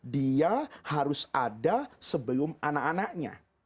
dia harus ada sebelum anak anaknya